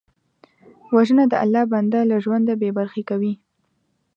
وژنه د الله بنده له ژونده بېبرخې کوي